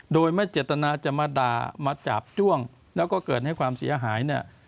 โดยไม่เจตนาจะมาด่ามาจาบจ้วงแล้วก็เกิดให้ความเสียหายเนี่ย